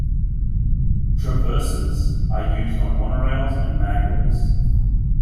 Traversers are used on monorails and maglevs.